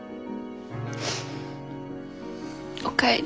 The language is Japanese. おかえり。